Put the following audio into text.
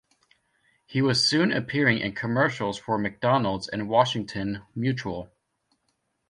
He was soon appearing in commercials for McDonald's and Washington Mutual.